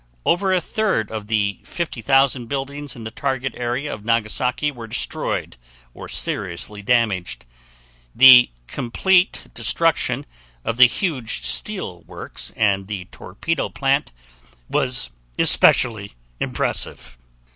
Over a third of the 50,000 buildings in the target area of Nagasaki were destroyed or seriously damaged. The complete destruction of the huge steel works and the torpedo plant was especially impressive.